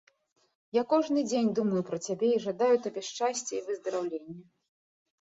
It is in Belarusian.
Я кожны дзень думаю пра цябе і жадаю табе шчасця і выздараўлення.